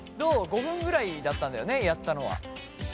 ５分ぐらいだったんだよねやったのは？